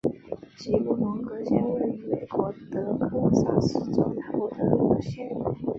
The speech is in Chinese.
吉姆霍格县是位于美国德克萨斯州南部的一个县。